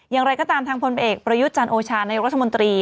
อย่างไรก็ตามทางพลเอกประยุทธ์จันโอชานายกรัฐมนตรี